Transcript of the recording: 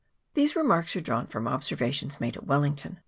These remarks are drawn from observa tions made at Wellington.